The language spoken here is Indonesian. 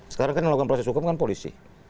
sekarang kan yang melakukan proses hukum kan polisi